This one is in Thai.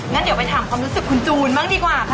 งั้นเดี๋ยวไปถามความรู้สึกคุณจูนบ้างดีกว่าค่ะ